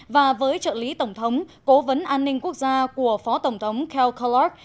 và với trợ lý tổng thống cố vấn an ninh quốc gia của phó tổng thống ken kellogg